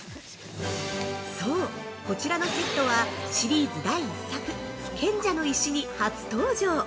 ◆そう、こちらのセットはシリーズ第１作「賢者の石」に初登場。